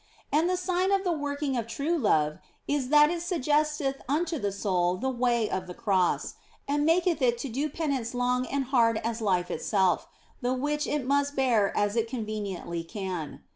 And the sign of the working of true love is that it suggesteth unto the soul the way of the Cross, and maketh it to do penance long and hard as life itself, the which it must bear as it con veniently can.